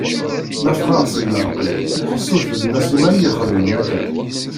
Ma ffɣeɣ seg leɛqel-iw ḥṣut d Nasima i yi-xedmen akka.